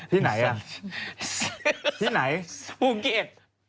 ที่ไหนล่ะที่ไหนภูเก็ต